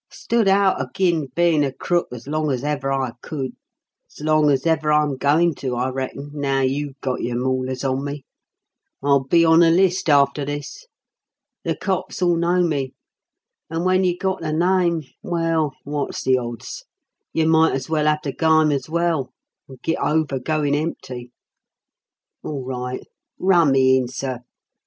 Stood out agin bein' a crook as long as ever I could as long as ever I'm goin' to, I reckon, now you've got your maulers on me. I'll be on the list after this. The cops 'ull know me; and when you've got the nime well, wot's the odds? You might as well 'ave the gime as well, and git over goin' empty. All right, run me in, sir.